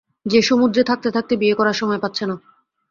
যে সমুদ্রে থাকতে থাকতে বিয়ে করার সময় পাচ্ছে না।